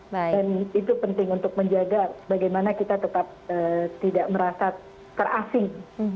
dan itu penting untuk menjaga bagaimana kita tetap tidak merasa terasing